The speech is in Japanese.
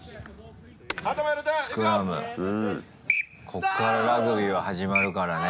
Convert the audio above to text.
こっからラグビーは始まるからね。